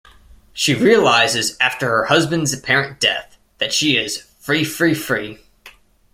She realizes after her husband's apparent death that she is "free, free, free".